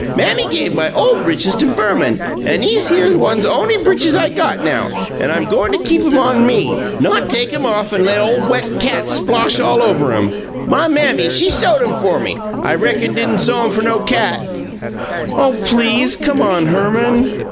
"Mammy gave my OLE britches to Verman, an' 'ese here ones on'y britches I got now, an' I'm go' to keep 'em on me not take 'em off an' let ole wet cat splosh all over 'em. My Mammy, she sewed 'em fer ME, I reckon d'in' sew 'em fer no cat!" "Oh, PLEASE, come on, Herman!"